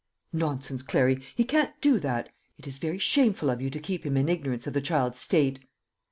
"Nonsense, Clary; he can't do that. It is very shameful of you to keep him in ignorance of the child's state."